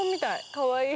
かわいい！